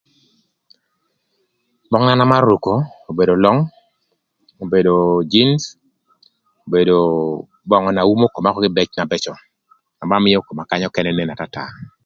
Böng na an amarö ruko, obedo long, obedo jinc, obedo böngü na umo koma ökö kïbëc na bëcö na ba mïö koma kany ökënë nen ökö atata.